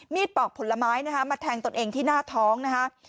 ปอกผลไม้นะคะมาแทงตนเองที่หน้าท้องนะคะ